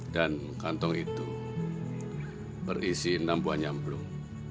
dan kantong itu berisi enam buah nyemplung